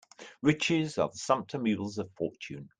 Riches are the sumpter mules of fortune.